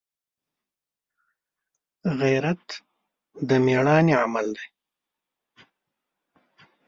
غیرت د مړانې عمل دی